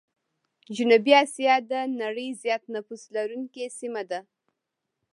جنوبي آسيا د نړۍ زيات نفوس لرونکي سيمه ده.